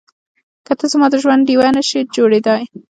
که ته زما د ژوند ډيوه نه شې جوړېدای.